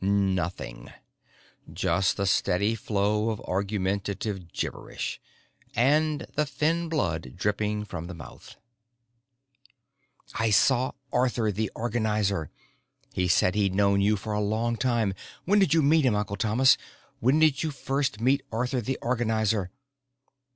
Nothing. Just the steady flow of argumentative gibberish. And the thin blood dripping from the mouth. "I saw Arthur the Organizer. He said he'd known you for a long time. When did you meet him, Uncle Thomas? When did you first meet Arthur the Organizer?"